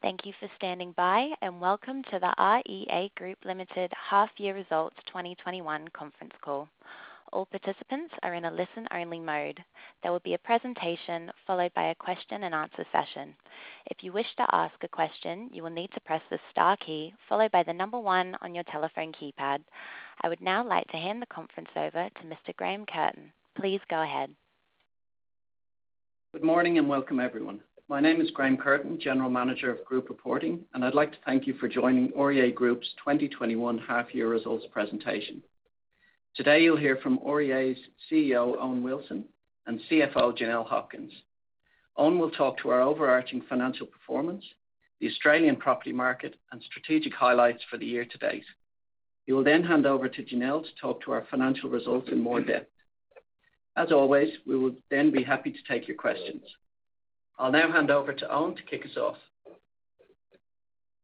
Thank you for standing by, and welcome to the REA Group Limited Half Year Results 2021 conference call. All participants are in a listen-only mode. There will be a presentation followed by a question-and-answer session. If you wish to ask a question, you will need to press the star key followed by the number one on your telephone keypad. I would now like to hand the conference over to Mr. Graham Curtin. Please go ahead. Good morning, and welcome everyone. My name is Graham Curtin, General Manager of Group Reporting, and I'd like to thank you for joining REA Group's 2021 half year results presentation. Today you'll hear from REA's CEO, Owen Wilson, and CFO, Janelle Hopkins. Owen will talk to our overarching financial performance, the Australian property market, and strategic highlights for the year to date. He will then hand over to Janelle to talk to our financial results in more depth. As always, we will then be happy to take your questions. I'll now hand over to Owen to kick us off.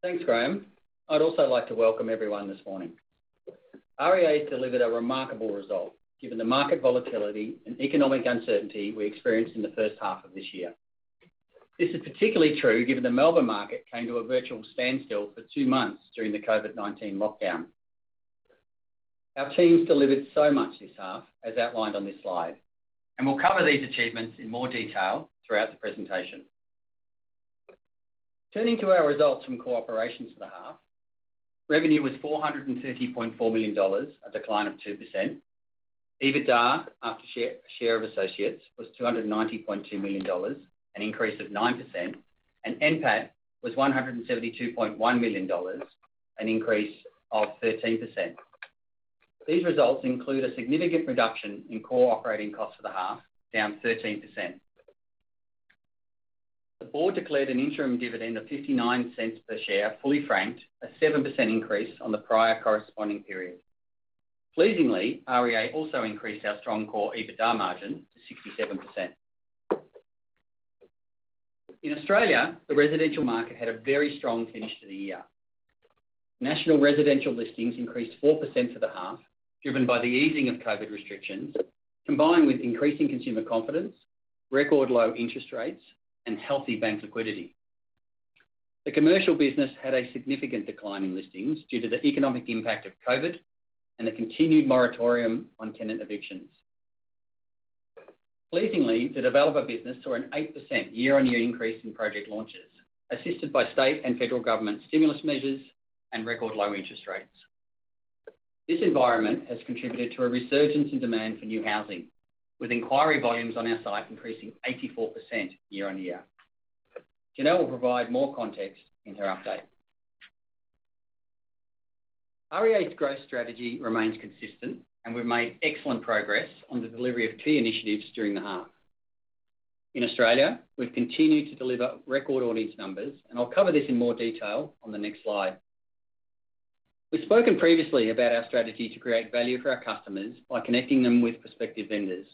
Thanks, Graham. I'd also like to welcome everyone this morning. REA has delivered a remarkable result given the market volatility and economic uncertainty we experienced in the first half of this year. This is particularly true given the Melbourne market came to a virtual standstill for two months during the COVID-19 lockdown. Our teams delivered so much this half, as outlined on this slide, and we'll cover these achievements in more detail throughout the presentation. Turning to our results from corporations for the half, revenue was 430.4 million dollars, a decline of 2%. EBITDA after share of associates was 290.2 million dollars, an increase of 9%, and NPAT was 172.1 million dollars, an increase of 13%. These results include a significant reduction in core operating costs for the half, down 13%. The board declared an interim dividend of 0.59 per share, fully franked, a 7% increase on the prior corresponding period. Pleasingly, REA also increased our strong core EBITDA margin to 67%. In Australia, the residential market had a very strong finish to the year. National residential listings increased 4% for the half, driven by the easing of COVID restrictions, combined with increasing consumer confidence, record low interest rates, and healthy bank liquidity. The commercial business had a significant decline in listings due to the economic impact of COVID and the continued moratorium on tenant evictions. Pleasingly, the developer business saw an 8% year-on-year increase in project launches, assisted by state and federal government stimulus measures and record low interest rates. This environment has contributed to a resurgence in demand for new housing, with inquiry volumes on our site increasing 84% year-on-year. Janelle will provide more context in her update. REA's growth strategy remains consistent, and we've made excellent progress on the delivery of key initiatives during the half. In Australia, we've continued to deliver record audience numbers, and I'll cover this in more detail on the next slide. We've spoken previously about our strategy to create value for our customers by connecting them with prospective vendors.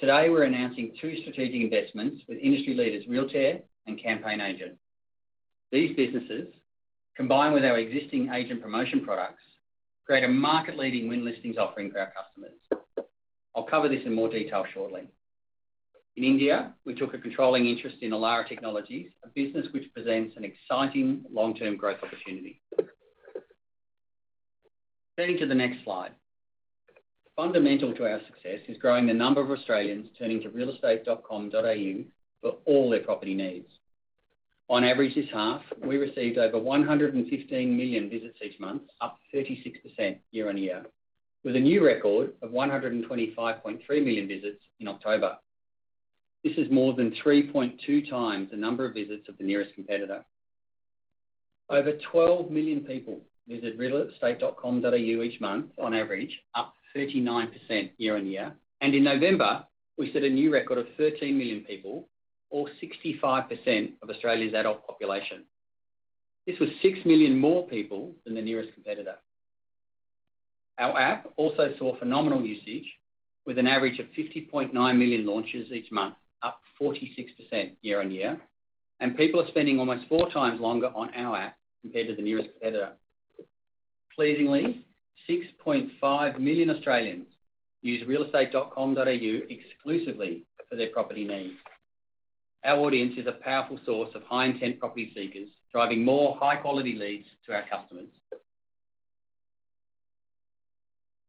Today, we're announcing two strategic investments with industry leaders Realtair and CampaignAgent. These businesses, combined with our existing agent promotion products, create a market-leading win listings offering for our customers. I'll cover this in more detail shortly. In India, we took a controlling interest in Elara Technologies, a business which presents an exciting long-term growth opportunity. Turning to the next slide. Fundamental to our success is growing the number of Australians turning to realestate.com.au for all their property needs. On average this half, we received over 115 million visits each month, up 36% year-on-year, with a new record of 125.3 million visits in October. This is more than 3.2x the number of visits of the nearest competitor. Over 12 million people visit realestate.com.au each month on average, up 39% year-on-year, and in November we set a new record of 13 million people or 65% of Australia's adult population. This was six million more people than the nearest competitor. Our app also saw phenomenal usage with an average of 50.9 million launches each month, up 46% year-on-year, and people are spending almost 4x longer on our app compared to the nearest competitor. Pleasingly, 6.5 million Australians use realestate.com.au exclusively for their property needs. Our audience is a powerful source of high-intent property seekers, driving more high-quality leads to our customers.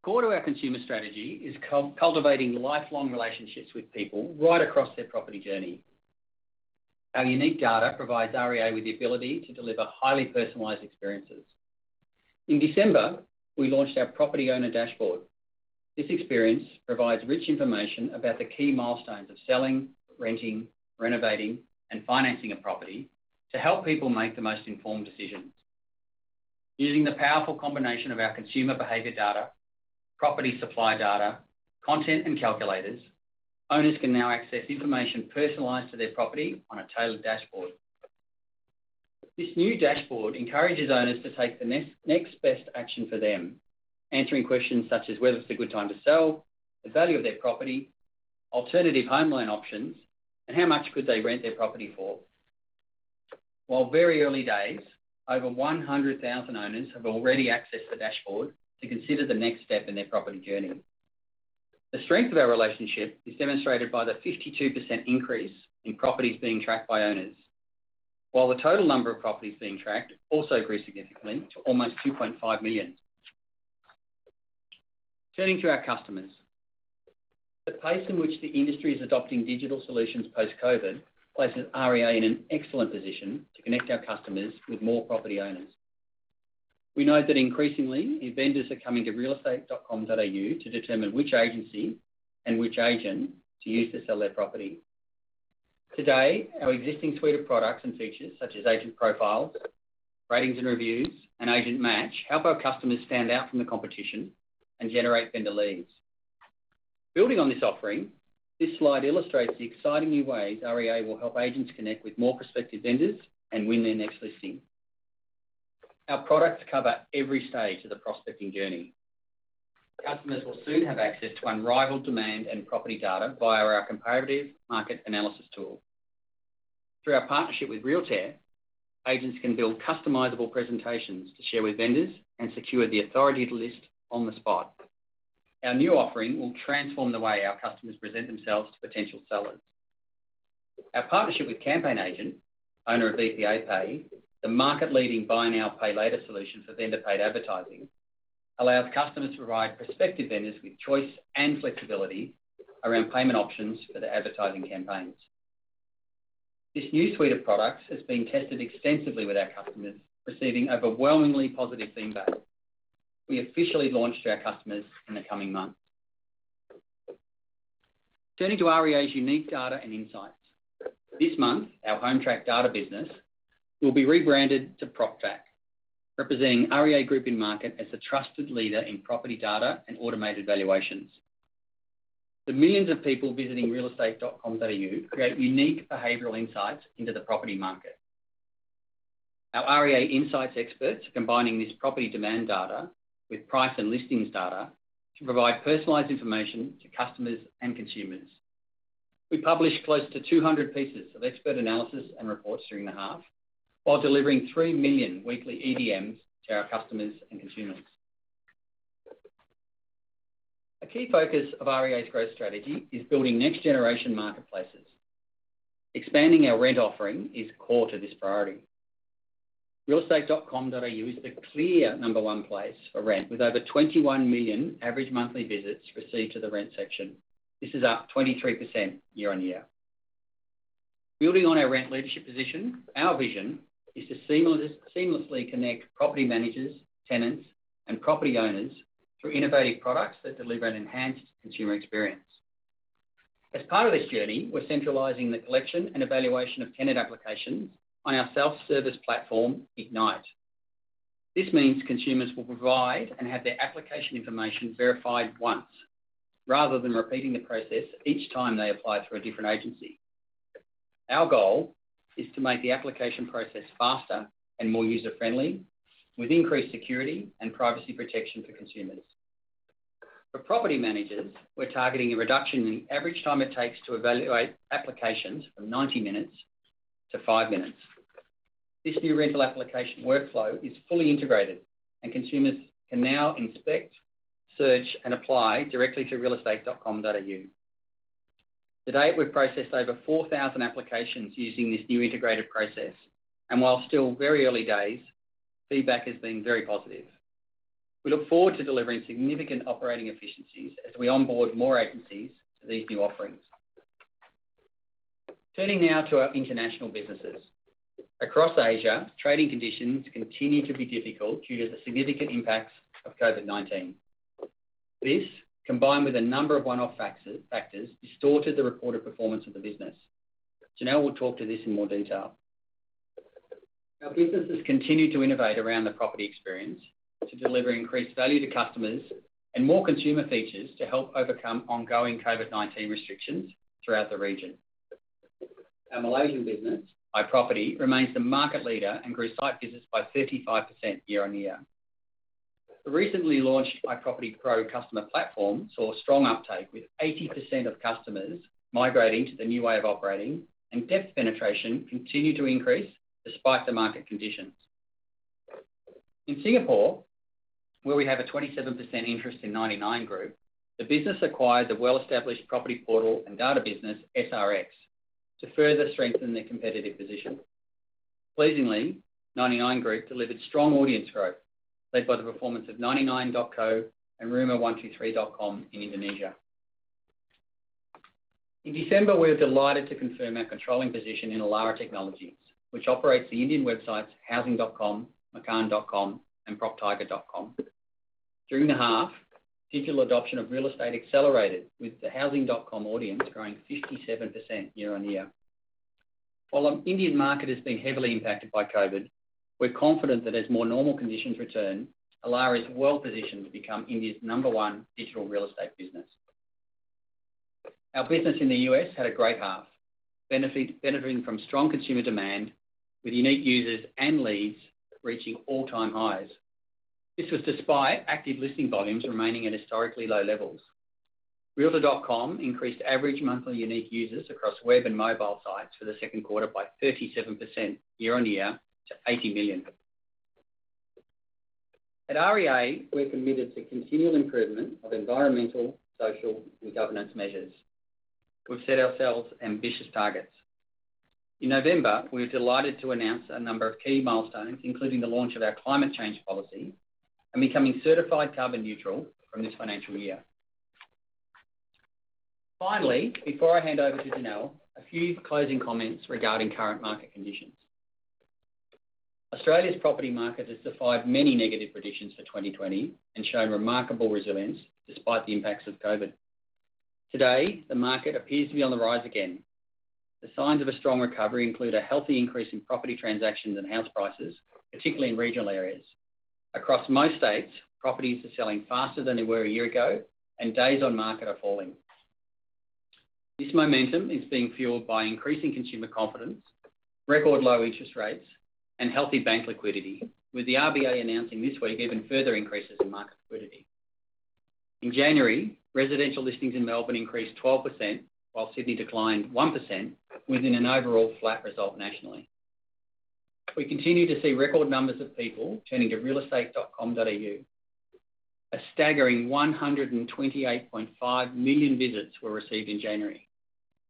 Core to our consumer strategy is cultivating lifelong relationships with people right across their property journey. Our unique data provides REA with the ability to deliver highly personalized experiences. In December, we launched our property owner dashboard. This experience provides rich information about the key milestones of selling, renting, renovating, and financing a property to help people make the most informed decisions. Using the powerful combination of our consumer behavior data, property supply data, content, and calculators, owners can now access information personalized to their property on a tailored dashboard. This new dashboard encourages owners to take the next best action for them, answering questions such as whether it's a good time to sell, the value of their property, alternative home loan options, and how much could they rent their property for. While very early days, over 100,000 owners have already accessed the dashboard to consider the next step in their property journey. The strength of our relationship is demonstrated by the 52% increase in properties being tracked by owners. While the total number of properties being tracked also grew significantly to almost 2.5 million. Turning to our customers. The pace in which the industry is adopting digital solutions post-COVID places REA in an excellent position to connect our customers with more property owners. We know that increasingly, vendors are coming to realestate.com.au to determine which agency and which agent to use to sell their property. Today, our existing suite of products and features such as agent profiles, ratings and reviews, and Agent Match help our customers stand out from the competition and generate vendor leads. Building on this offering, this slide illustrates the exciting new ways REA will help agents connect with more prospective vendors and win their next listing. Our products cover every stage of the prospecting journey. Customers will soon have access to unrivaled demand and property data via our comparative market analysis tool. Through our partnership with Realtair, agents can build customizable presentations to share with vendors and secure the authority to list on the spot. Our new offering will transform the way our customers present themselves to potential sellers. Our partnership with CampaignAgent, owner of VPAPay, the market-leading buy now, pay later solution for vendor paid advertising, allows customers to provide prospective vendors with choice and flexibility around payment options for their advertising campaigns. This new suite of products has been tested extensively with our customers, receiving overwhelmingly positive feedback. We officially launch to our customers in the coming months. Turning to REA Group's unique data and insights. This month, our Hometrack data business will be rebranded to PropTrack, representing REA Group in market as the trusted leader in property data and automated valuations. The millions of people visiting realestate.com.au create unique behavioral insights into the property market. Our REA Insights experts are combining this property demand data with price and listings data to provide personalized information to customers and consumers. We published close to 200 pieces of expert analysis and reports during the half, while delivering three million weekly EDMs to our customers and consumers. A key focus of REA's growth strategy is building next generation marketplaces. Expanding our rent offering is core to this priority. realestate.com.au is the clear number one place for rent, with over 21 million average monthly visits received to the rent section. This is up 23% year-on-year. Building on our rent leadership position, our vision is to seamlessly connect property managers, tenants, and property owners through innovative products that deliver an enhanced consumer experience. As part of this journey, we're centralizing the collection and evaluation of tenant applications on our self-service platform, Ignite. This means consumers will provide and have their application information verified once, rather than repeating the process each time they apply through a different agency. Our goal is to make the application process faster and more user-friendly, with increased security and privacy protection for consumers. For property managers, we're targeting a reduction in the average time it takes to evaluate applications from 90 minutes to five minutes. This new rental application workflow is fully integrated, and consumers can now inspect, search, and apply directly to realestate.com.au. To date, we've processed over 4,000 applications using this new integrated process, and while still very early days, feedback has been very positive. We look forward to delivering significant operating efficiencies as we onboard more agencies to these new offerings. Turning now to our international businesses. Across Asia, trading conditions continue to be difficult due to the significant impacts of COVID-19. This, combined with a number of one-off factors, distorted the reported performance of the business. Janelle will talk to this in more detail. Our businesses continue to innovate around the property experience to deliver increased value to customers and more consumer features to help overcome ongoing COVID-19 restrictions throughout the region. Our Malaysian business, iProperty, remains the market leader and grew site visits by 35% year-on-year. The recently launched iProperty PRO customer platform saw strong uptake, with 80% of customers migrating to the new way of operating, and depth penetration continued to increase despite the market conditions. In Singapore, where we have a 27% interest in 99 Group, the business acquired the well-established property portal and data business, SRX, to further strengthen their competitive position. Pleasingly, 99 Group delivered strong audience growth, led by the performance of 99.co and Rumah123.com in Indonesia. In December, we were delighted to confirm our controlling position in Elara Technologies, which operates the Indian websites housing.com, makaan.com, and proptiger.com. During the half, digital adoption of real estate accelerated, with the housing.com audience growing 57% year-on-year. While an Indian market has been heavily impacted by COVID, we're confident that as more normal conditions return, Elara is well-positioned to become India's number one digital real estate business. Our business in the U.S. had a great half, benefiting from strong consumer demand, with unique users and leads reaching all-time highs. This was despite active listing volumes remaining at historically low levels. Realtor.com increased average monthly unique users across web and mobile sites for the second quarter by 37% year-on-year to 80 million. At REA, we're committed to continual improvement of environmental, social, and governance measures. We've set ourselves ambitious targets. In November, we were delighted to announce a number of key milestones, including the launch of our climate change policy and becoming certified carbon neutral from this financial year. Before I hand over to Janelle, a few closing comments regarding current market conditions. Australia's property market has defied many negative predictions for 2020 and shown remarkable resilience despite the impacts of COVID-19. Today, the market appears to be on the rise again. The signs of a strong recovery include a healthy increase in property transactions and house prices, particularly in regional areas. Across most states, properties are selling faster than they were a year ago, and days on market are falling. This momentum is being fueled by increasing consumer confidence, record low interest rates, and healthy bank liquidity, with the RBA announcing this week even further increases in market liquidity. In January, residential listings in Melbourne increased 12%, while Sydney declined 1%, within an overall flat result nationally. We continue to see record numbers of people turning to realestate.com.au. A staggering 128.5 million visits were received in January.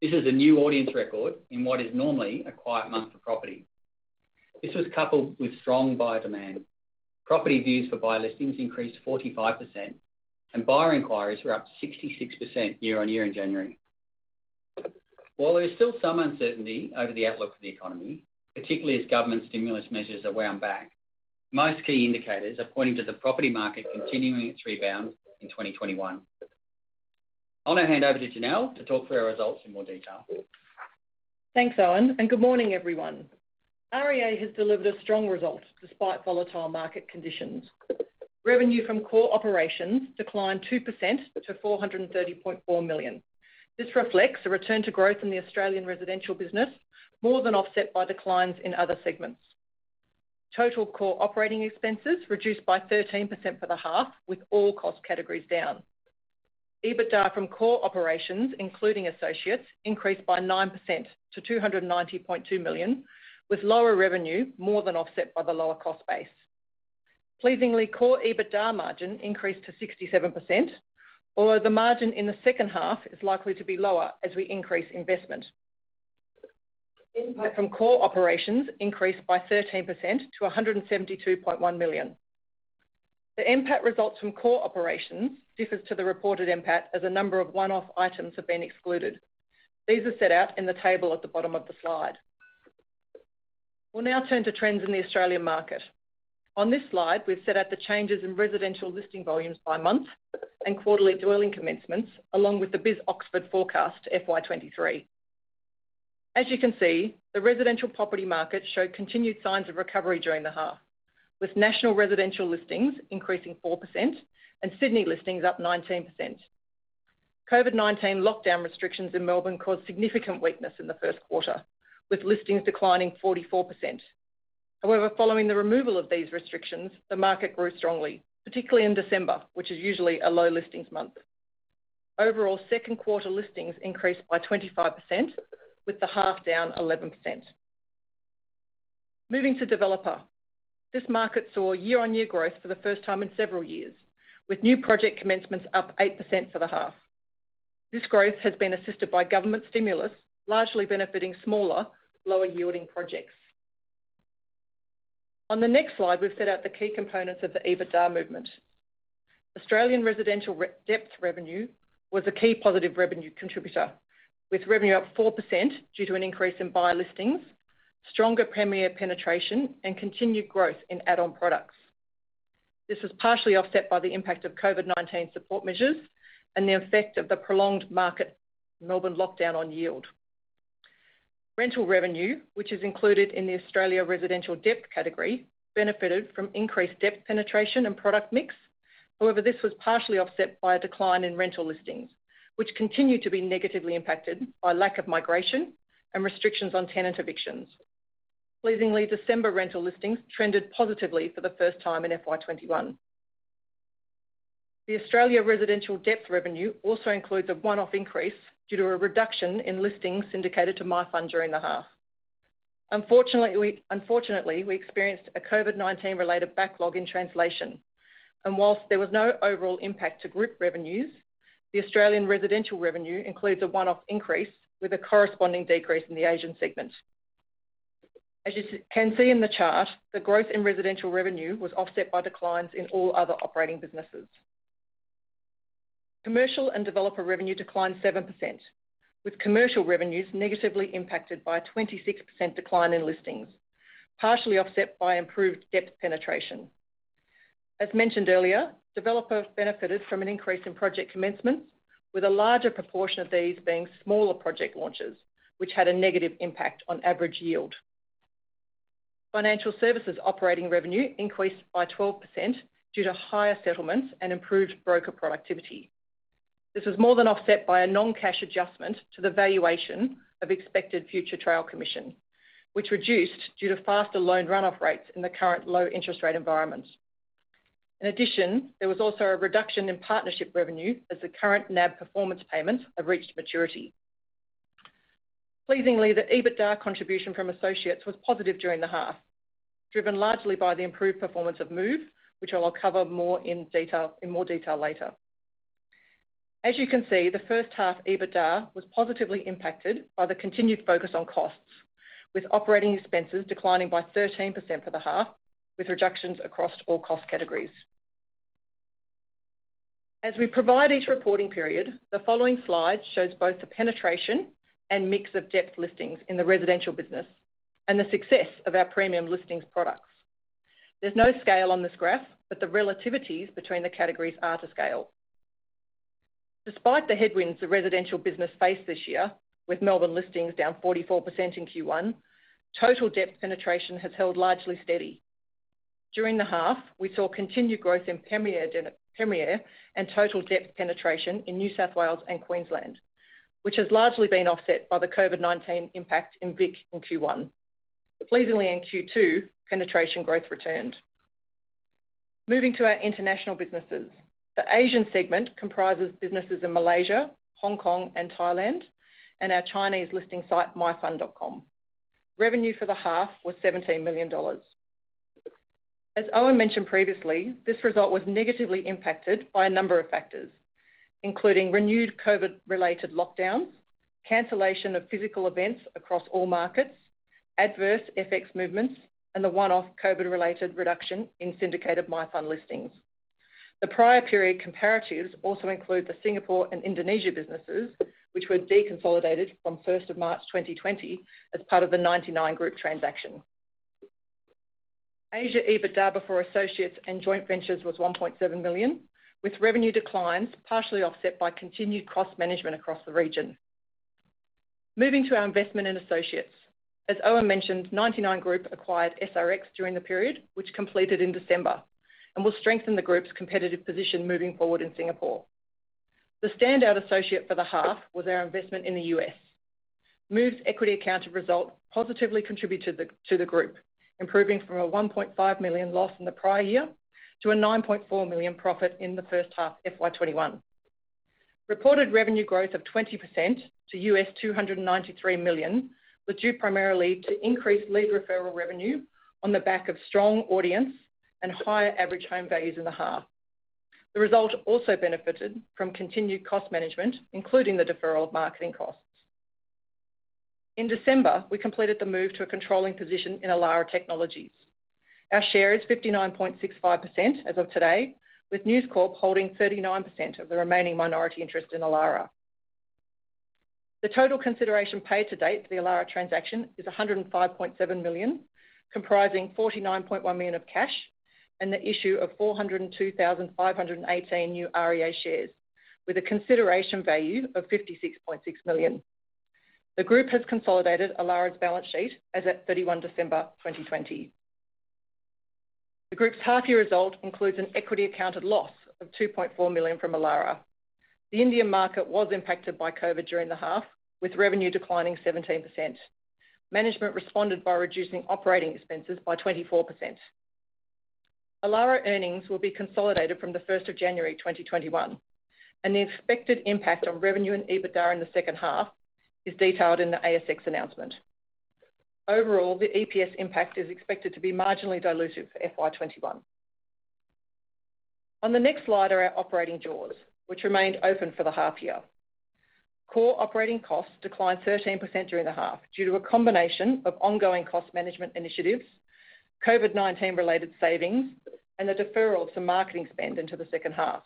This is a new audience record in what is normally a quiet month for property. This was coupled with strong buyer demand. Property views for buyer listings increased 45%, and buyer inquiries were up 66% year-on-year in January. While there is still some uncertainty over the outlook for the economy, particularly as government stimulus measures are wound back, most key indicators are pointing to the property market continuing its rebound in 2021. I'll now hand over to Janelle to talk through our results in more detail. Thanks, Owen, and good morning, everyone. REA has delivered a strong result despite volatile market conditions. Revenue from core operations declined 2% to 430.4 million. This reflects a return to growth in the Australian residential business, more than offset by declines in other segments. Total core operating expenses reduced by 13% for the half, with all cost categories down. EBITDA from core operations, including associates, increased by 9% to 290.2 million, with lower revenue more than offset by the lower cost base. Pleasingly, core EBITDA margin increased to 67%, although the margin in the second half is likely to be lower as we increase investment. NPAT from core operations increased by 13% to 172.1 million. The NPAT results from core operations differs to the reported NPAT as a number of one-off items have been excluded. These are set out in the table at the bottom of the slide. We'll now turn to trends in the Australian market. On this slide, we've set out the changes in residential listing volumes by month and quarterly dwelling commencements, along with the BIS Oxford forecast to FY 2023. As you can see, the residential property market showed continued signs of recovery during the half, with national residential listings increasing 4% and Sydney listings up 19%. COVID-19 lockdown restrictions in Melbourne caused significant weakness in the first quarter, with listings declining 44%. However, following the removal of these restrictions, the market grew strongly, particularly in December, which is usually a low listings month. Overall, second quarter listings increased by 25%, with the half down 11%. Moving to developer. This market saw year-over-year growth for the first time in several years, with new project commencements up 8% for the half. This growth has been assisted by government stimulus, largely benefiting smaller, lower-yielding projects. On the next slide, we've set out the key components of the EBITDA movement. Australian residential depth revenue was a key positive revenue contributor, with revenue up 4% due to an increase in buyer listings, stronger Premiere penetration, and continued growth in add-on products. This was partially offset by the impact of COVID-19 support measures and the effect of the prolonged market Melbourne lockdown on yield. Rental revenue, which is included in the Australia residential depth category, benefited from increased depth penetration and product mix. This was partially offset by a decline in rental listings, which continued to be negatively impacted by lack of migration and restrictions on tenant evictions. Pleasingly, December rental listings trended positively for the first time in FY 2021. The Australia residential depth revenue also includes a one-off increase due to a reduction in listings syndicated to myfun.com during the half. Unfortunately, we experienced a COVID-19 related backlog in translation, and whilst there was no overall impact to group revenues, the Australian residential revenue includes a one-off increase with a corresponding decrease in the Asian segment. As you can see in the chart, the growth in residential revenue was offset by declines in all other operating businesses. Commercial and developer revenue declined 7%, with commercial revenues negatively impacted by a 26% decline in listings, partially offset by improved depth penetration. As mentioned earlier, developer benefited from an increase in project commencements, with a larger proportion of these being smaller project launches, which had a negative impact on average yield. Financial services operating revenue increased by 12% due to higher settlements and improved broker productivity. This was more than offset by a non-cash adjustment to the valuation of expected future trail commission, which reduced due to faster loan run-off rates in the current low interest rate environment. In addition, there was also a reduction in partnership revenue as the current NAB performance payments have reached maturity. Pleasingly, the EBITDA contribution from associates was positive during the half, driven largely by the improved performance of Move, which I will cover in more detail later. As you can see, the first half EBITDA was positively impacted by the continued focus on costs, with operating expenses declining by 13% for the half, with reductions across all cost categories. As we provide each reporting period, the following slide shows both the penetration and mix of depth listings in the residential business and the success of our premium listings products. There's no scale on this graph, but the relativities between the categories are to scale. Despite the headwinds the residential business faced this year, with Melbourne listings down 44% in Q1, total Depth penetration has held largely steady. During the half, we saw continued growth in Premiere and total Depth penetration in New South Wales and Queensland, which has largely been offset by the COVID-19 impact in Vic in Q1. Pleasingly in Q2, penetration growth returned. Moving to our international businesses. The Asian segment comprises businesses in Malaysia, Hong Kong, and Thailand, and our Chinese listing site, myfun.com. Revenue for the half was 17 million dollars. As Owen mentioned previously, this result was negatively impacted by a number of factors, including renewed COVID related lockdowns, cancellation of physical events across all markets, adverse FX movements, and the one-off COVID related reduction in syndicated myfun listings. The prior period comparatives also include the Singapore and Indonesia businesses, which were deconsolidated from March 1st, 2020 as part of the 99 Group transaction. Asia EBITDA before associates and joint ventures was 1.7 million, with revenue declines partially offset by continued cost management across the region. Moving to our investment in associates. As Owen mentioned, 99 Group acquired SRX during the period, which completed in December, and will strengthen the group's competitive position moving forward in Singapore. The standout associate for the half was our investment in the U.S. Move's equity accounted result positively contributed to the group, improving from a 1.5 million loss in the prior year to a 9.4 million profit in the first half FY 2021. Reported revenue growth of 20% to $293 million was due primarily to increased lead referral revenue on the back of strong audience and higher average home values in the half. The result also benefited from continued cost management, including the deferral of marketing costs. In December, we completed the move to a controlling position in Elara Technologies. Our share is 59.65% as of today, with News Corp holding 39% of the remaining minority interest in Elara. The total consideration paid to date for the Elara transaction is 105.7 million, comprising 49.1 million of cash and the issue of 402,518 new REA shares with a consideration value of 56.6 million. The group has consolidated Elara's balance sheet as at December 31, 2020. The group's half year result includes an equity accounted loss of 2.4 million from Elara. The Indian market was impacted by COVID during the half, with revenue declining 17%. Management responded by reducing operating expenses by 24%. Elara earnings will be consolidated from the January 1, 2021, and the expected impact on revenue and EBITDA in the second half is detailed in the ASX announcement. Overall, the EPS impact is expected to be marginally dilutive for FY 2021. On the next slide are our operating jaws, which remained open for the half year. Core operating costs declined 13% during the half due to a combination of ongoing cost management initiatives, COVID-19 related savings, and the deferral of some marketing spend into the second half.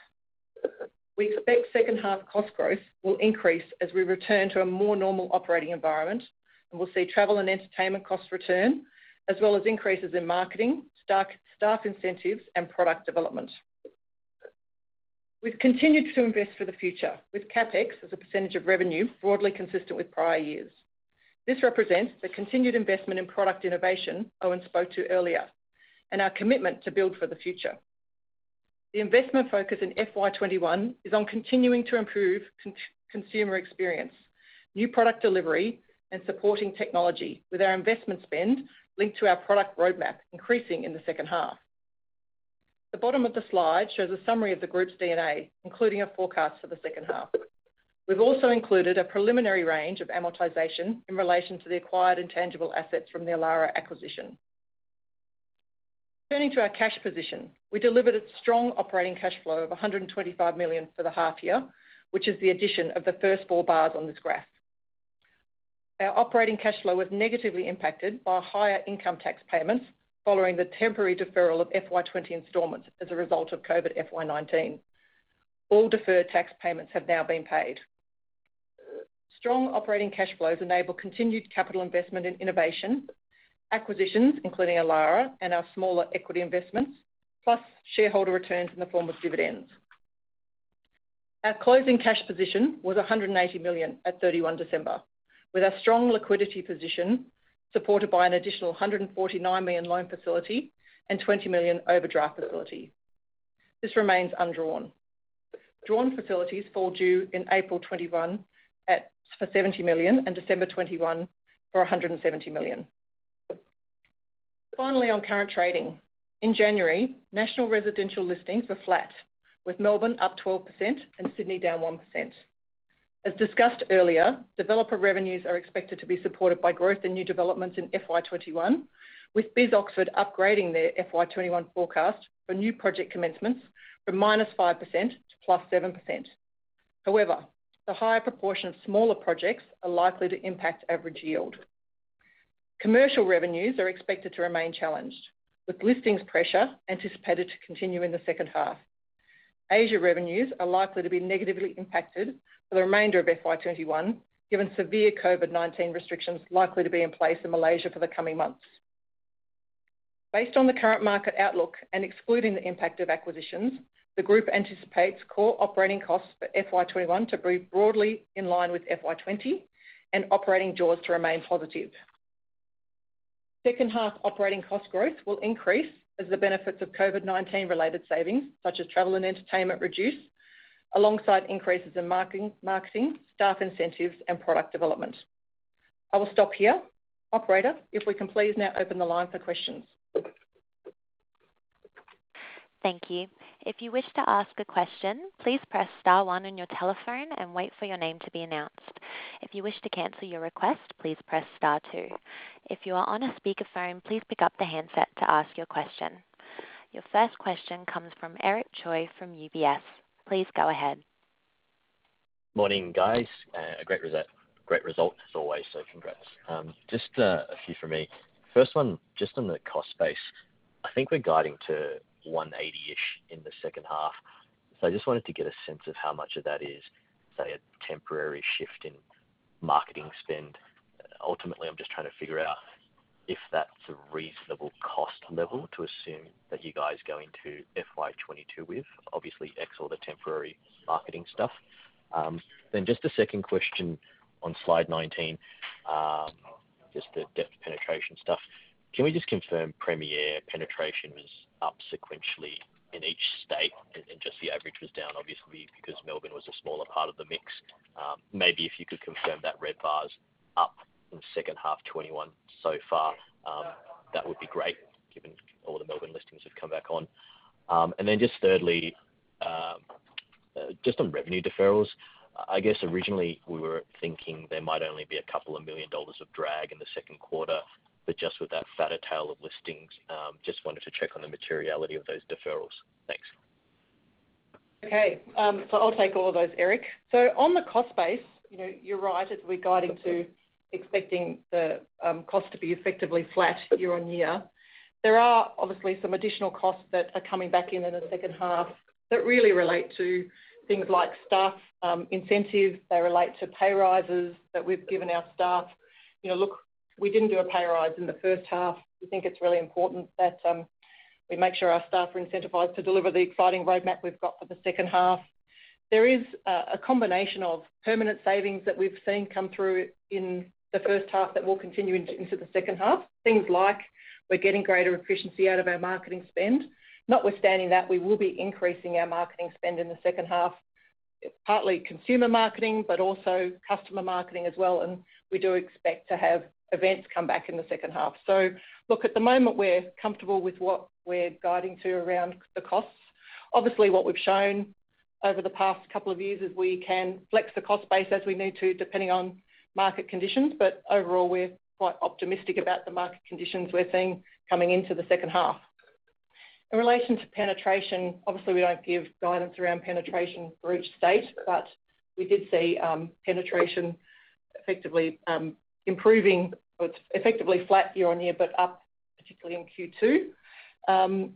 We expect second half cost growth will increase as we return to a more normal operating environment, and we'll see travel and entertainment costs return, as well as increases in marketing, staff incentives, and product development. We've continued to invest for the future with CapEx as a percentage of revenue broadly consistent with prior years. This represents the continued investment in product innovation Owen spoke to earlier, and our commitment to build for the future. The investment focus in FY 2021 is on continuing to improve consumer experience, new product delivery, and supporting technology with our investment spend linked to our product roadmap increasing in the second half. The bottom of the slide shows a summary of the group's D&A, including a forecast for the second half. We've also included a preliminary range of amortization in relation to the acquired intangible assets from the Elara acquisition. Turning to our cash position. We delivered a strong operating cash flow of 125 million for the half year, which is the addition of the first four bars on this graph. Our operating cash flow was negatively impacted by higher income tax payments following the temporary deferral of FY 2020 installments as a result of COVID-19 FY 2019. All deferred tax payments have now been paid. Strong operating cash flows enable continued capital investment in innovation, acquisitions, including Elara and our smaller equity investments, plus shareholder returns in the form of dividends. Our closing cash position was 180 million at December 31, with our strong liquidity position supported by an additional 149 million loan facility and 20 million overdraft facility. This remains undrawn. Drawn facilities fall due in April 2021 for 70 million and December 2021 for 170 million. On current trading. In January, national residential listings were flat, with Melbourne up 12% and Sydney down 1%. As discussed earlier, developer revenues are expected to be supported by growth in new developments in FY 2021, with BIS Oxford upgrading their FY 2021 forecast for new project commencements from -5% to +7%. However, the higher proportion of smaller projects are likely to impact average yield. Commercial revenues are expected to remain challenged, with listings pressure anticipated to continue in the second half. Asia revenues are likely to be negatively impacted for the remainder of FY 2021, given severe COVID-19 restrictions likely to be in place in Malaysia for the coming months. Based on the current market outlook and excluding the impact of acquisitions, the group anticipates core operating costs for FY 2021 to be broadly in line with FY 2020 and operating jaws to remain positive. Second half operating cost growth will increase as the benefits of COVID-19 related savings, such as travel and entertainment reduce, alongside increases in marketing, staff incentives, and product development. I will stop here. Operator, if we can please now open the line for questions. Your first question comes from Eric Choi from UBS. Please go ahead. Morning, guys. A great result as always, so congrats. Just a few from me. First one, just on the cost base. I think we're guiding to 180-ish in the second half. I just wanted to get a sense of how much of that is, say, a temporary shift in marketing spend. Ultimately, I'm just trying to figure out if that's a reasonable cost level to assume that you guys go into FY 2022 with, obviously ex all the temporary marketing stuff. Just a second question on slide 19, just the Depth penetration stuff. Can we just confirm Premiere penetration was up sequentially in each state and just the average was down obviously because Melbourne was a smaller part of the mix? Maybe if you could confirm that red bar's up in the second half 2021 so far, that would be great, given all the Melbourne listings have come back on. Just thirdly, just on revenue deferrals. I guess originally we were thinking there might only be a couple of million AUD of drag in the second quarter, but just with that fatter tail of listings, just wanted to check on the materiality of those deferrals. Thanks. Okay. I'll take all of those, Eric. On the cost base, you're right, as we're guiding to expecting the cost to be effectively flat year-on-year. There are obviously some additional costs that are coming back in in the second half that really relate to things like staff incentives. They relate to pay rises that we've given our staff. Look, we didn't do a pay rise in the first half. We think it's really important that we make sure our staff are incentivized to deliver the exciting roadmap we've got for the second half. There is a combination of permanent savings that we've seen come through in the first half that will continue into the second half. Things like we're getting greater efficiency out of our marketing spend. Notwithstanding that, we will be increasing our marketing spend in the second half. It's partly consumer marketing, but also customer marketing as well, and we do expect to have events come back in the second half. Look, at the moment, we're comfortable with what we're guiding to around the costs. Obviously, what we've shown over the past couple of years is we can flex the cost base as we need to, depending on market conditions. Overall, we're quite optimistic about the market conditions we're seeing coming into the second half. In relation to penetration, obviously, we don't give guidance around penetration for each state, but we did see penetration effectively improving or effectively flat year-on-year, but up particularly in Q2.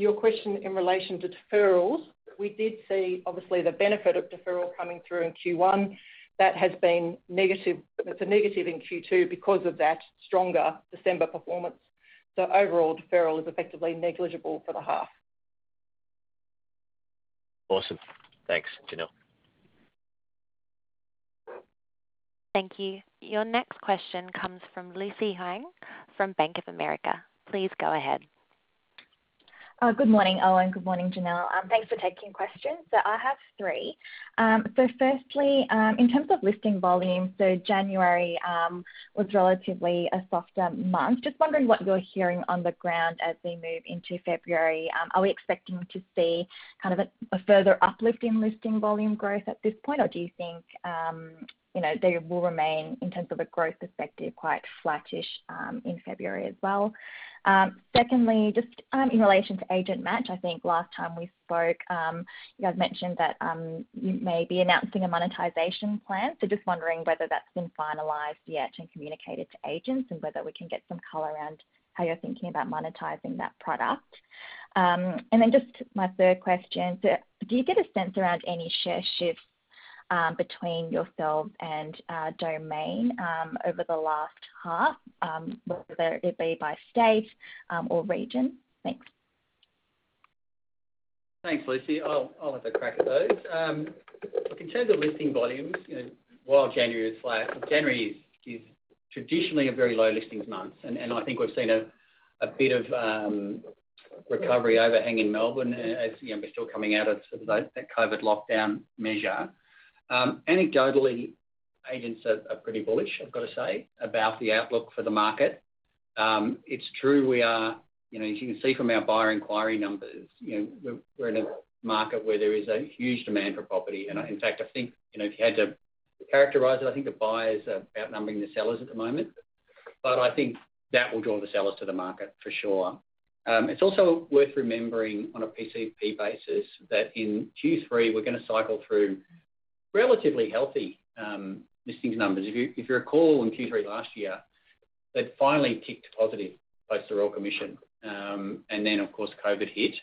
Your question in relation to deferrals, we did see obviously the benefit of deferral coming through in Q1. That's a negative in Q2 because of that stronger December performance. Overall, deferral is effectively negligible for the half. Awesome. Thanks, Janelle. Thank you. Your next question comes from Lucy Huang from Bank of America. Please go ahead. Good morning, Owen. Good morning, Janelle. Thanks for taking questions. I have three. Firstly, in terms of listing volume, January was relatively a softer month. Just wondering what you're hearing on the ground as we move into February. Are we expecting to see kind of a further uplift in listing volume growth at this point, or do you think they will remain, in terms of a growth perspective, quite flat-ish in February as well? Secondly, just in relation to Agent Match, I think last time we spoke, you guys mentioned that you may be announcing a monetization plan. Just wondering whether that's been finalized yet and communicated to agents, and whether we can get some color around how you're thinking about monetizing that product. Then just my third question. Do you get a sense around any share shifts between yourselves and Domain over the last half, whether it be by state or region? Thanks. Thanks, Lucy. I'll have a crack at those. Look, in terms of listing volumes, while January is flat, January is traditionally a very low listings month, and I think we've seen a bit of recovery overhang in Melbourne as we're still coming out of sort of that COVID-19 lockdown measure. Anecdotally, agents are pretty bullish, I've got to say, about the outlook for the market. It's true we are, as you can see from our buyer inquiry numbers, we're in a market where there is a huge demand for property. In fact, I think, if you had to characterize it, I think the buyers are outnumbering the sellers at the moment. I think that will draw the sellers to the market for sure. It's also worth remembering on a PCP basis that in Q3 we're going to cycle through relatively healthy listings numbers. If you recall in Q3 last year, that finally ticked positive post the Royal Commission. Of course, COVID hit.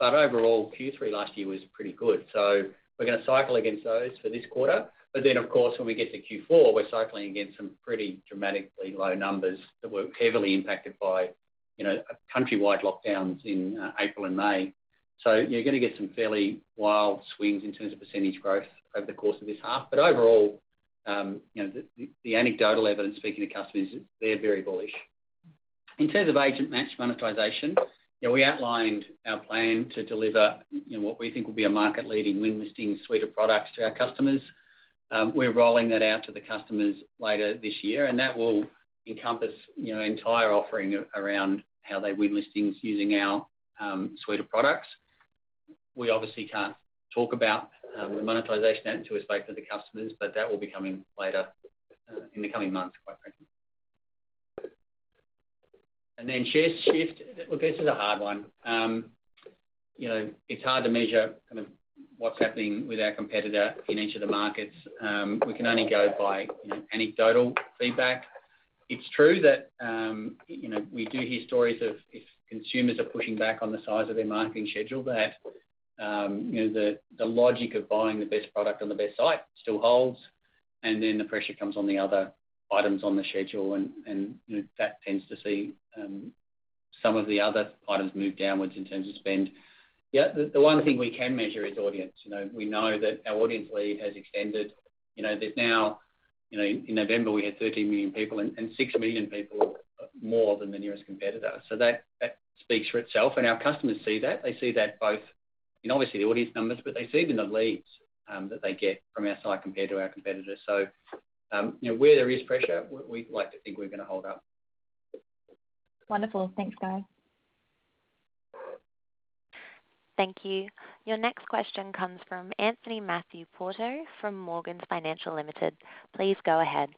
Overall, Q3 last year was pretty good. We're going to cycle against those for this quarter. Of course, when we get to Q4, we're cycling against some pretty dramatically low numbers that were heavily impacted by countrywide lockdowns in April and May. You're going to get some fairly wild swings in terms of percent growth over the course of this half. Overall, the anecdotal evidence, speaking to customers, they're very bullish. In terms of Agent Match monetization, we outlined our plan to deliver what we think will be a market-leading win listing suite of products to our customers. We're rolling that out to the customers later this year, and that will encompass entire offering around how they win listings using our suite of products. We obviously can't talk about the monetization end to respect for the customers, but that will be coming later in the coming months, quite frankly. Share shift. Look, this is a hard one. It's hard to measure what's happening with our competitor in each of the markets. We can only go by anecdotal feedback. It's true that we do hear stories of if consumers are pushing back on the size of their marketing schedule, that the logic of buying the best product on the best site still holds, and then the pressure comes on the other items on the schedule, and that tends to see some of the other items move downwards in terms of spend. The one thing we can measure is audience. We know that our audience lead has extended. In November, we had 13 million people, and six million people more than the nearest competitor. That speaks for itself, and our customers see that. They see that both in obviously the audience numbers, but they see it in the leads that they get from our site compared to our competitors. Where there is pressure, we'd like to think we're going to hold up. Wonderful. Thanks, Guy. Thank you. Your next question comes from Anthony Matthew Porto from Morgans Financial Limited. Please go ahead.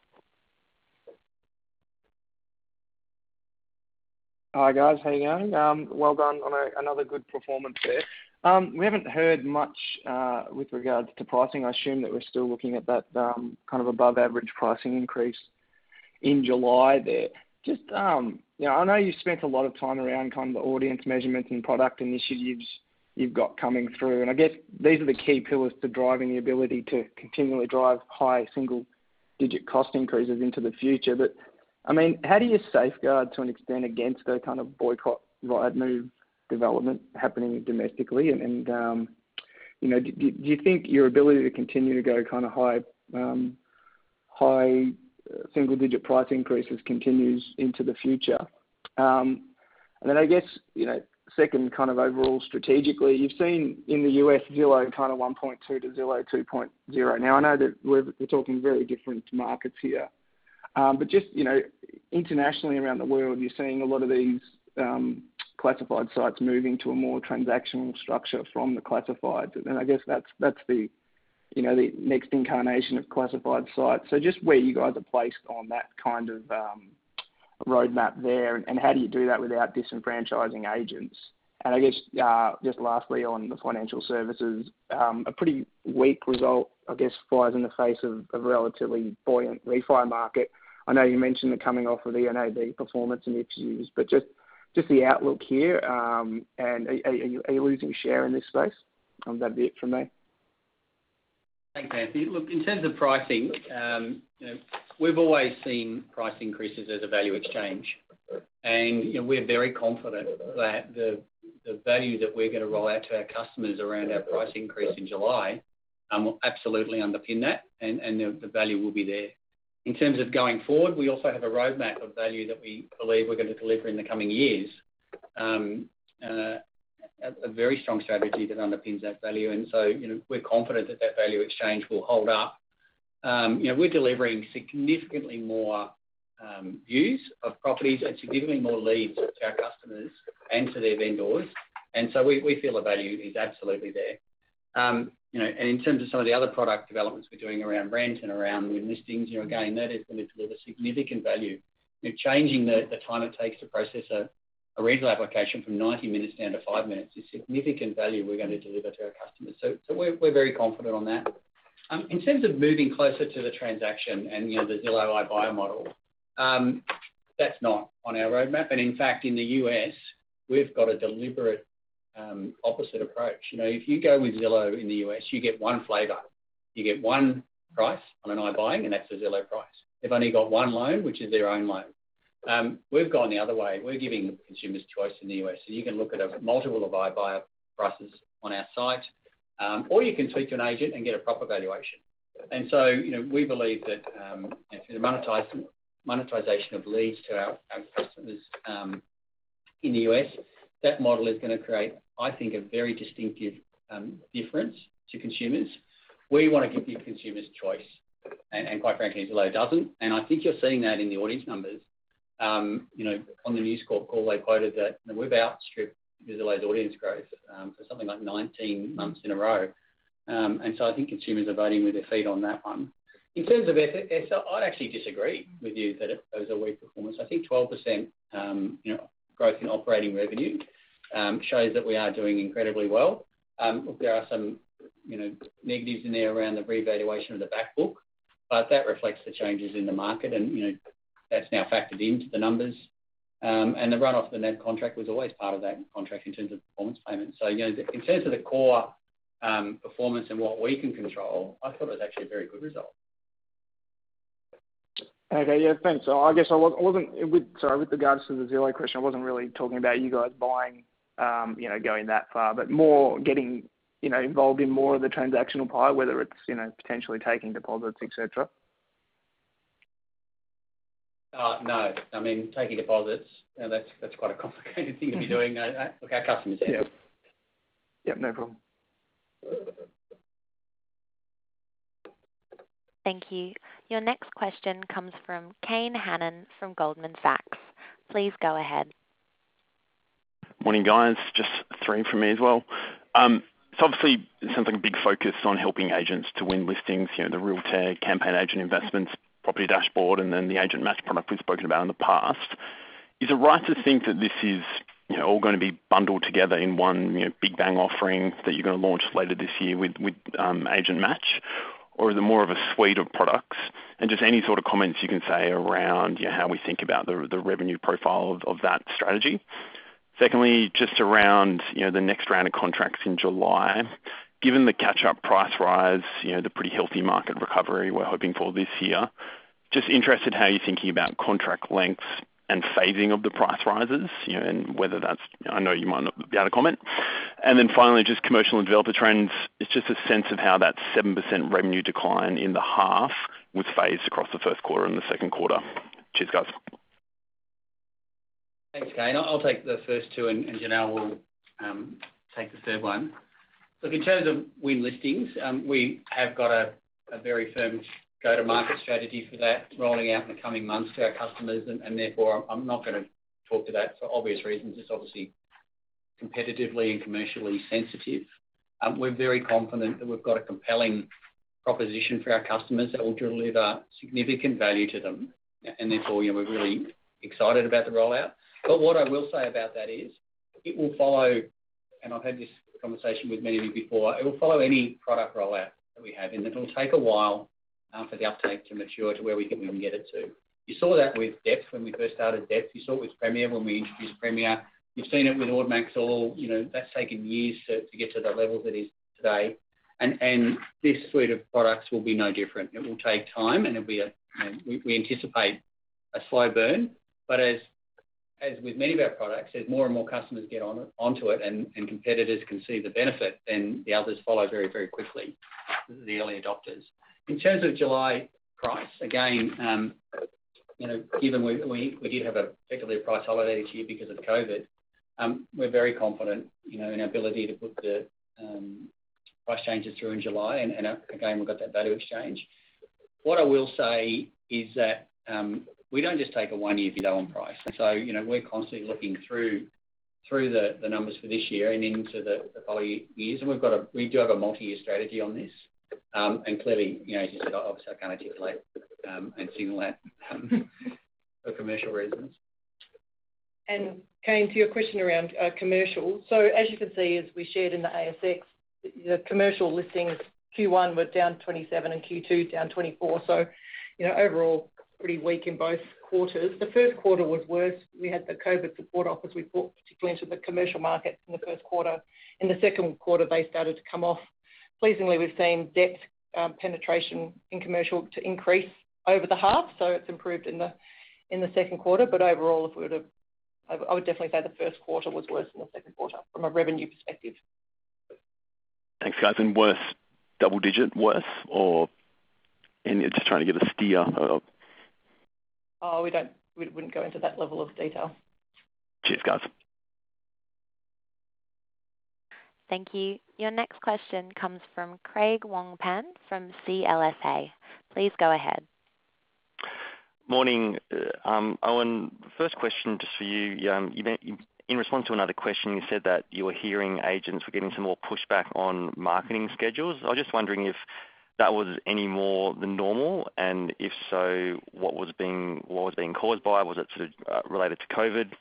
Hi, guys. How are you going? Well done on another good performance there. We haven't heard much with regards to pricing. I assume that we're still looking at that kind of above-average pricing increase in July there. I know you spent a lot of time around kind of audience measurements and product initiatives you've got coming through. I guess these are the key pillars to driving the ability to continually drive high single-digit cost increases into the future. I mean how do you safeguard to an extent against a kind of boycott ride move development happening domestically? Do you think your ability to continue to go kind of high single-digit price increases continues into the future? Then I guess, second kind of overall strategically, you've seen in the U.S. Zillow kind of 1.2 to Zillow 2.0. Now, I know that we're talking very different markets here. Just internationally around the world, you're seeing a lot of these classified sites moving to a more transactional structure from the classified. I guess that's the next incarnation of classified sites. Just where you guys are placed on that kind of roadmap there, and how do you do that without disenfranchising agents? I guess, just lastly, on the financial services, a pretty weak result, I guess, flies in the face of a relatively buoyant refi market. I know you mentioned the coming off of the NAB performance in its use, but just the outlook here, and are you losing share in this space? That'd be it from me. Thanks, Anthony. Look, in terms of pricing, we've always seen price increases as a value exchange. We're very confident that the value that we're going to roll out to our customers around our price increase in July will absolutely underpin that, and the value will be there. In terms of going forward, we also have a roadmap of value that we believe we're going to deliver in the coming years, a very strong strategy that underpins that value, so we're confident that that value exchange will hold up. We're delivering significantly more views of properties, actually delivering more leads to our customers and to their vendors, so we feel the value is absolutely there. In terms of some of the other product developments we're doing around rent and around win listings, again, that is going to deliver significant value. We're changing the time it takes to process a rental application from 90 minutes down to five minutes is significant value we're going to deliver to our customers. We're very confident on that. In terms of moving closer to the transaction and the Zillow iBuyer model, that's not on our roadmap. In fact, in the U.S., we've got a deliberate opposite approach. If you go with Zillow in the U.S., you get one flavor. You get one price on an iBuying, and that's a Zillow price. They've only got one loan, which is their own loan. We've gone the other way. We're giving consumers choice in the U.S., so you can look at a multiple of iBuyer prices on our site, or you can speak to an agent and get a proper valuation. We believe that through the monetization of leads to our customers in the U.S., that model is going to create, I think, a very distinctive difference to consumers. We want to give the consumers choice, and quite frankly, Zillow doesn't. I think you're seeing that in the audience numbers. On the News Corp call, they quoted that we've outstripped Zillow's audience growth for something like 19 months in a row. I think consumers are voting with their feet on that one. In terms of EBITDA, I'd actually disagree with you that it was a weak performance. I think 12% growth in operating revenue shows that we are doing incredibly well. Look, there are some negatives in there around the revaluation of the back book, but that reflects the changes in the market and that is now factored into the numbers. The run-off from that contract was always part of that contract in terms of performance payments. In terms of the core performance and what we can control, I thought it was actually a very good result. Yeah, thanks. I guess, with regards to the Zillow question, I wasn't really talking about you guys buying, going that far, but more getting involved in more of the transactional pie, whether it's potentially taking deposits, et cetera. No. Taking deposits, that's quite a complicated thing to be doing. Look, our customers do. Yep, no problem. Thank you. Your next question comes from Kane Hannan from Goldman Sachs. Please go ahead. Morning, guys. Just three from me as well. Obviously, it sounds like a big focus on helping agents to win listings. The Realtair CampaignAgent investments, property dashboard, and then the Agent Match product we've spoken about in the past. Is it right to think that this is all going to be bundled together in one big bang offering that you're going to launch later this year with Agent Match? Is it more of a suite of products? Just any sort of comments you can say around how we think about the revenue profile of that strategy. Secondly, just around the next round of contracts in July. Given the catch-up price rise, the pretty healthy market recovery we're hoping for this year, just interested in how you're thinking about contract lengths and phasing of the price rises, and I know you might not be able to comment. Finally, just commercial and developer trends. Just a sense of how that 7% revenue decline in the half was phased across the first quarter and the second quarter. Cheers, guys. Thanks, Kane. I'll take the first two, and Janelle will take the third one. Look, in terms of win listings, we have got a very firm go-to-market strategy for that rolling out in the coming months to our customers, therefore, I'm not going to talk to that for obvious reasons. It's obviously competitively and commercially sensitive. We're very confident that we've got a compelling proposition for our customers that will deliver significant value to them, therefore, we're really excited about the rollout. What I will say about that is, it will follow, and I've had this conversation with many of you before, it will follow any product rollout that we have in that it'll take a while for the uptake to mature to where we can get it to. You saw that with Depth when we first started Depth. You saw it with Premiere when we introduced Premiere. You've seen it with Audience Maximiser. That's taken years to get to the level that it is today. This suite of products will be no different. It will take time, and we anticipate a slow burn, but as with many of our products, as more and more customers get onto it and competitors can see the benefit, then the others follow very, very quickly, the early adopters. In terms of July price, again, given we did have effectively a price holiday this year because of COVID-19, we're very confident in our ability to put the price changes through in July. Again, we've got that value exchange. What I will say is that we don't just take a one-year view on price. We're constantly looking through the numbers for this year and into the following years, and we do have a multi-year strategy on this. Clearly, as you said, obviously, I can't anticipate and signal that for commercial reasons. Kane, to your question around commercial. As you can see, as we shared in the ASX, the commercial listings Q1 were down 27 and Q2 down 24. Overall, pretty weak in both quarters. The first quarter was worse. We had the COVID-19 support offers we brought particularly into the commercial market in the first quarter. In the second quarter, they started to come off. Pleasingly, we've seen Depth penetration in commercial to increase over the half, so it's improved in the second quarter. Overall, I would definitely say the first quarter was worse than the second quarter from a revenue perspective. Thanks, guys. Worse, double-digit worse, or just trying to get a steer of? Oh, we wouldn't go into that level of detail. Cheers, guys. Thank you. Your next question comes from Craig Wong-Pan from CLSA. Please go ahead. Morning. Owen, first question just for you. In response to another question, you said that you were hearing agents were getting some more pushback on marketing schedules. I was just wondering if that was any more than normal, and if so, what was being caused by? Was it sort of related to COVID?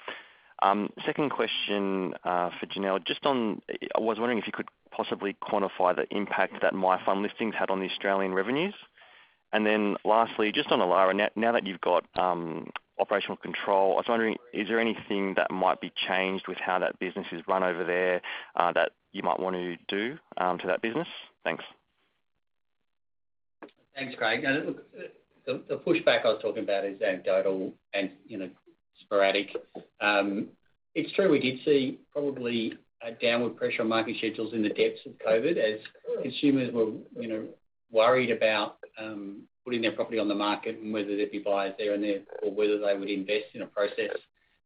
Second question for Janelle. I was wondering if you could possibly quantify the impact that myfun.com listings had on the Australian revenues? Lastly, just on Elara. Now that you've got operational control, I was wondering, is there anything that might be changed with how that business is run over there that you might want to do to that business? Thanks. Thanks, Craig. Look, the pushback I was talking about is anecdotal and sporadic. It's true, we did see probably a downward pressure on marketing schedules in the depths of COVID as consumers were worried about putting their property on the market and whether there'd be buyers there, or whether they would invest in a process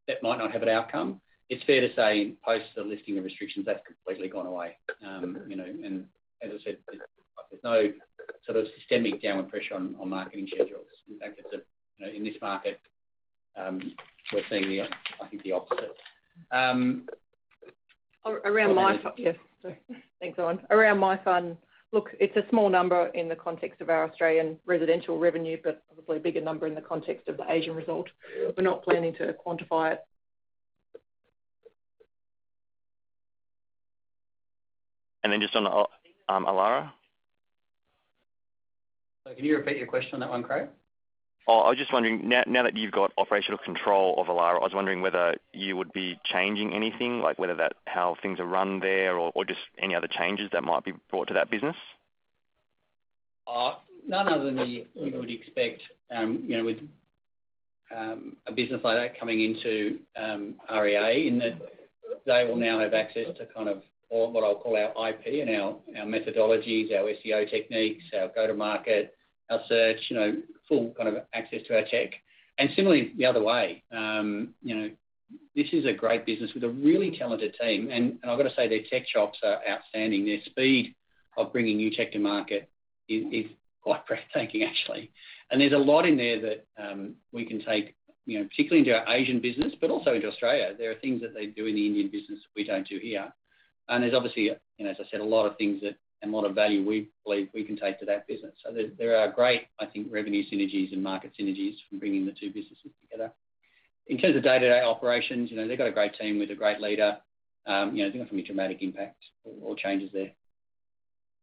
that might not have an outcome. It's fair to say post the lifting of restrictions, that's completely gone away. As I said, there's no sort of systemic downward pressure on marketing schedules. In fact, in this market, we're seeing, I think, the opposite. Yes. Sorry. Thanks, Owen. Around myfun, look, it's a small number in the context of our Australian residential revenue, but probably a bigger number in the context of the Asian result. We are not planning to quantify it. Just on Elara. Can you repeat your question on that one, Craig? I was just wondering, now that you've got operational control of Elara, I was wondering whether you would be changing anything, like whether that how things are run there or just any other changes that might be brought to that business? None other than you would expect with a business like that coming into REA, in that they will now have access to what I'll call our IP and our methodologies, our SEO techniques, our go-to-market, our search, full access to our tech. Similarly, the other way. This is a great business with a really talented team. I've got to say, their tech shops are outstanding. Their speed of bringing new tech to market is quite breathtaking, actually. There's a lot in there that we can take, particularly into our Asian business, but also into Australia. There are things that they do in the Indian business that we don't do here. There's obviously, as I said, a lot of things that, and a lot of value we believe we can take to that business. There are great, I think, revenue synergies and market synergies from bringing the two businesses together. In terms of day-to-day operations, they've got a great team with a great leader. I don't think there'll be dramatic impact or changes there.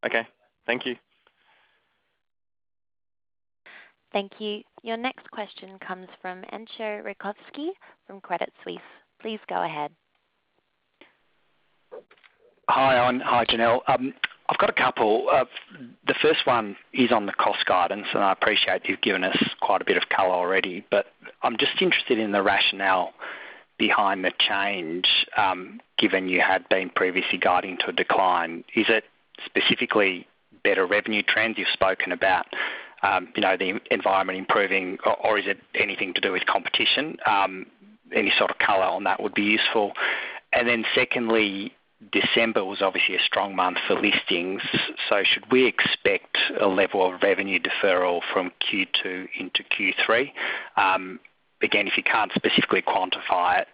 Okay. Thank you. Thank you. Your next question comes from Entcho Raykovski from Credit Suisse. Please go ahead. Hi, Owen. Hi, Janelle. I've got a couple. The first one is on the cost guidance, and I appreciate you've given us quite a bit of color already, but I'm just interested in the rationale behind the change, given you had been previously guiding to a decline. Is it specifically better revenue trends? You've spoken about the environment improving, or is it anything to do with competition? Any sort of color on that would be useful. Secondly, December was obviously a strong month for listings. Should we expect a level of revenue deferral from Q2 into Q3? Again, if you can't specifically quantify it,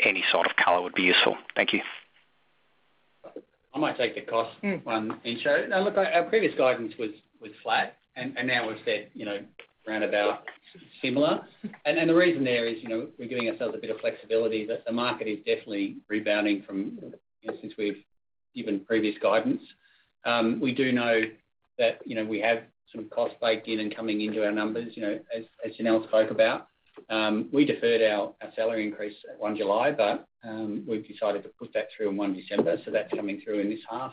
any sort of color would be useful. Thank you. I might take the cost one, Entcho. Our previous guidance was flat, now we've said roundabout similar. The reason there is we're giving ourselves a bit of flexibility that the market is definitely rebounding from since we've given previous guidance. We do know that we have some cost baked in and coming into our numbers, as Janelle spoke about. We deferred our salary increase at July 1, but we've decided to put that through on December 1, so that's coming through in this half.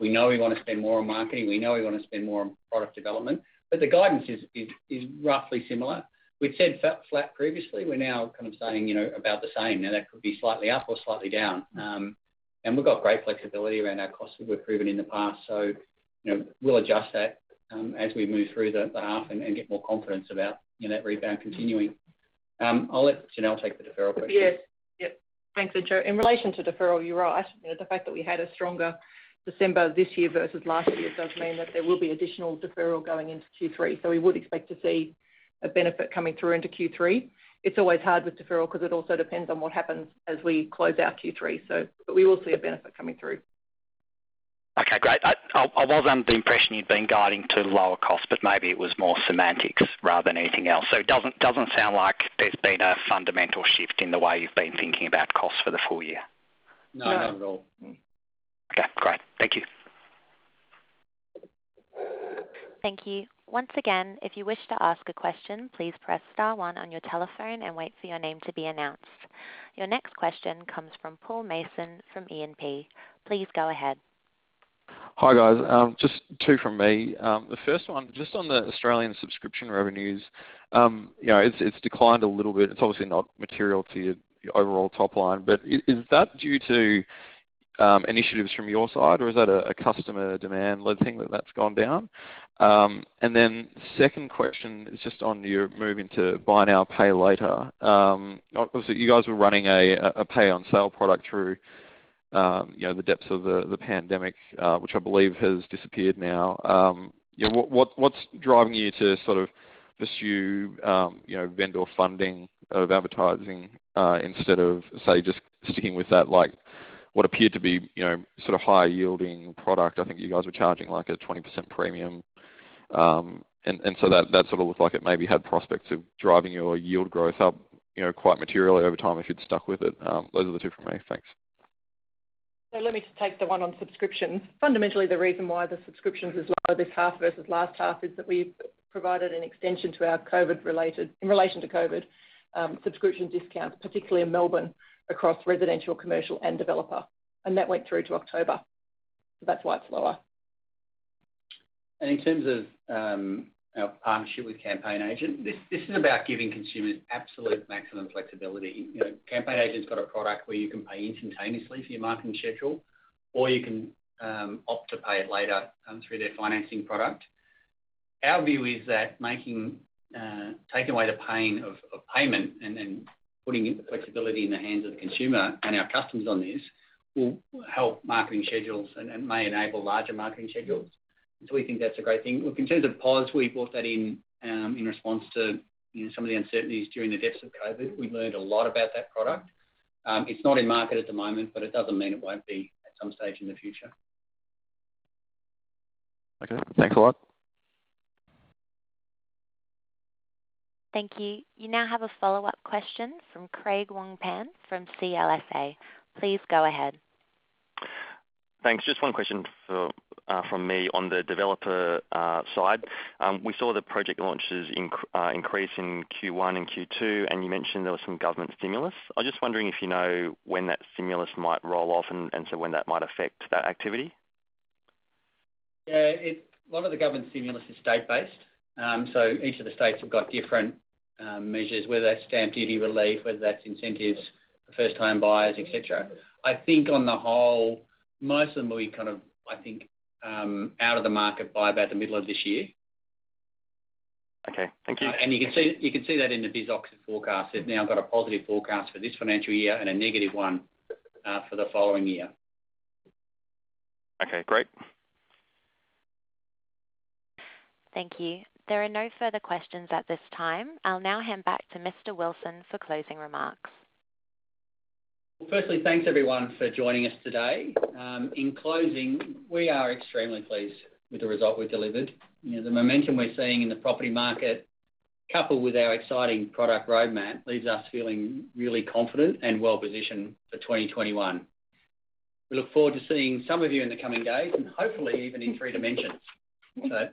We know we want to spend more on marketing, we know we want to spend more on product development, but the guidance is roughly similar. We'd said flat previously. We're now saying about the same. That could be slightly up or slightly down. We've got great flexibility around our costs, as we've proven in the past. We'll adjust that as we move through the half and get more confidence about that rebound continuing. I'll let Janelle take the deferral question. Yes. Thanks, Entcho. In relation to deferral, you're right. The fact that we had a stronger December this year versus last year does mean that there will be additional deferral going into Q3. We would expect to see a benefit coming through into Q3. It's always hard with deferral because it also depends on what happens as we close out Q3. We will see a benefit coming through. Okay, great. I was under the impression you'd been guiding to lower cost, but maybe it was more semantics rather than anything else. It doesn't sound like there's been a fundamental shift in the way you've been thinking about costs for the full year. No. No, not at all. Okay, great. Thank you. Thank you. Your next question comes from Paul Mason from E&P. Please go ahead. Hi, guys. Just two from me. The first one, just on the Australian subscription revenues. It's declined a little bit. It's obviously not material to your overall top line, but is that due to initiatives from your side, or is that a customer demand led thing that's gone down? Second question is just on your moving to Buy Now, Pay Later. Obviously, you guys were running a pay on sale product through the depths of the pandemic, which I believe has disappeared now. What's driving you to pursue vendor funding of advertising, instead of, say, just sticking with that, what appeared to be higher yielding product? I think you guys were charging like a 20% premium. So that looked like it maybe had prospects of driving your yield growth up quite materially over time if you'd stuck with it. Those are the two from me. Thanks. Let me just take the one on subscriptions. Fundamentally, the reason why the subscriptions is lower this half versus last half is that we've provided an extension in relation to COVID-19 subscription discounts, particularly in Melbourne, across residential, commercial, and developer. That went through to October. That's why it's lower. In terms of our partnership with CampaignAgent, this is about giving consumers absolute maximum flexibility. CampaignAgent's got a product where you can pay instantaneously for your marketing schedule, or you can opt to pay it later through their financing product. Our view is that taking away the pain of payment and then putting the flexibility in the hands of the consumer and our customers on this will help marketing schedules and may enable larger marketing schedules. We think that's a great thing. Look, in terms of POS, we brought that in in response to some of the uncertainties during the depths of COVID-19. We learned a lot about that product. It's not in market at the moment, but it doesn't mean it won't be at some stage in the future. Okay, thanks a lot. Thank you. You now have a follow-up question from Craig Wong-Pan from CLSA. Please go ahead. Thanks. Just one question from me on the developer side. We saw the project launches increase in Q1 and Q2, and you mentioned there was some government stimulus. I'm just wondering if you know when that stimulus might roll off and so when that might affect that activity. A lot of the government stimulus is state-based. Each of the states have got different measures, whether that's stamp duty relief, whether that's incentives for first-time buyers, et cetera. I think on the whole, most of them will be, I think, out of the market by about the middle of this year. Okay. Thank you. You can see that in the BIS Oxford forecast. They've now got a positive forecast for this financial year and a negative one for the following year. Okay, great. Thank you. There are no further questions at this time. I'll now hand back to Mr. Wilson for closing remarks. Firstly, thanks everyone for joining us today. In closing, we are extremely pleased with the result we've delivered. The momentum we're seeing in the property market, coupled with our exciting product roadmap, leaves us feeling really confident and well-positioned for 2021. We look forward to seeing some of you in the coming days, and hopefully even in three dimensions.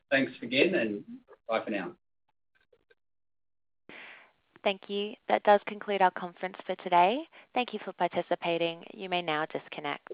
Thanks again, and bye for now. Thank you. That does conclude our conference for today. Thank you for participating. You may now disconnect.